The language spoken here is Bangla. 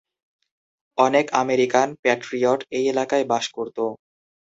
অনেক আমেরিকান প্যাট্রিয়ট এই এলাকায় বাস করত।